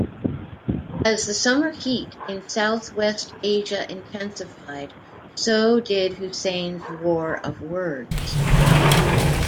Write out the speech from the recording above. As the summer heat in Southwest Asia intensified, so did Hussein's war of words.